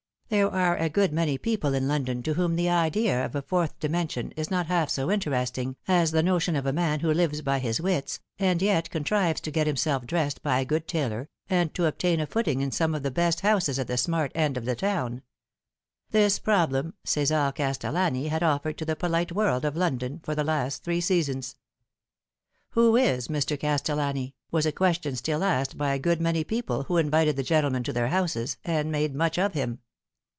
There are a good many people in London to whom the idea of a fourth dimension is not half so interesting as the notion of a man who lives by his wits, and yet contrives to get himself dressed by a good tailor, and to obtain a footing in some of the best houses at the smart end of the town. This problem Cesar Castellani had offered to the polite world of London for the last three seasons. Who is Mr. Castellani ? was a question still asked by a good many people who invited the gentleman to their houses, and made much of him.